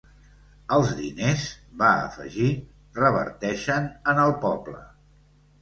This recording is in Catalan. Els diners –va afegir– reverteixen en el poble.